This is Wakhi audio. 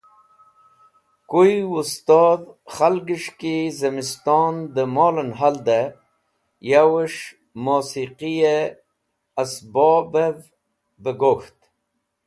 Kuy wẽstodh khalgẽs̃h ki zẽmiston dẽmolẽn haldẽ yaves̃h mosiqiyẽ esbobẽv bẽ gokht.